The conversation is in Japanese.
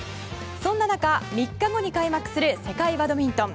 そんな中、３日後に開幕する世界バドミントン。